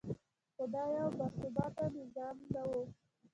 خو دا یو باثباته نظام نه و.